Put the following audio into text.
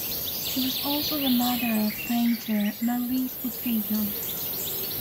She was also the mother of painter Maurice Utrillo.